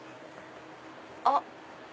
あっ！